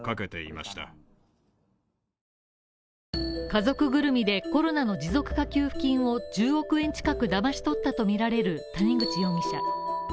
家族ぐるみでコロナの持続化給付金を１０億円近くだまし取ったとみられる谷口容疑者